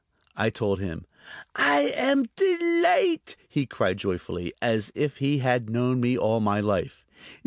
I told him. "I am delight'!" he cried joyfully, as if he had known me all my life.